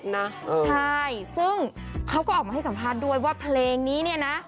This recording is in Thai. นะใช่ซึ่งเขาก็ออกมาให้สัมภาษณ์ด้วยว่าเพลงนี้เนี่ยนะ